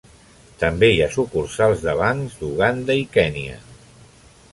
També hi ha sucursals de bancs d'Uganda i Kenya.